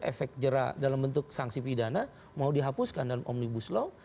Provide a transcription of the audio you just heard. efek jerah dalam bentuk sanksi pidana mau dihapuskan dalam omnibus law